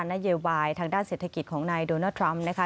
นโยบายทางด้านเศรษฐกิจของนายโดนัลดทรัมป์นะคะ